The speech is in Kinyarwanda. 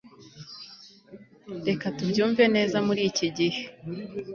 reka tubyumve neza muriki gihe